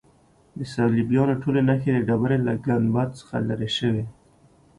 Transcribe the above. د صلیبیانو ټولې نښې د ډبرې له ګنبد څخه لیرې شوې.